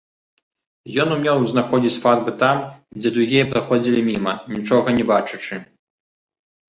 Ён умеў знаходзіць фарбы там, дзе другія праходзілі міма, нічога не бачачы.